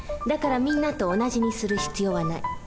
だからみんなと同じにする必要はない。